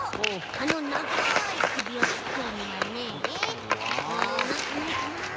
あのながいくびをつくるにはねうんなんかないかな。